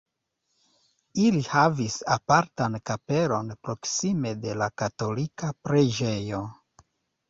Ili havis apartan kapelon proksime de la katolika preĝejo.